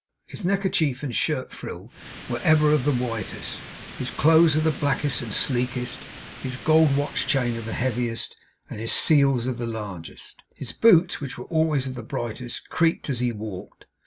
His neckerchief and shirt frill were ever of the whitest, his clothes of the blackest and sleekest, his gold watch chain of the heaviest, and his seals of the largest. His boots, which were always of the brightest, creaked as he walked.